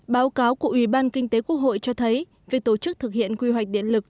báo cáo của ủy ban kinh tế quốc hội cho thấy việc tổ chức thực hiện quy hoạch điện lực